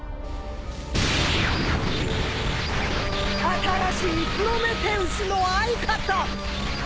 新しいプロメテウスの相方！